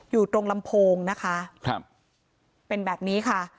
อยู่ตรงลำโพงนะคะครับเป็นแบบนี้ค่ะ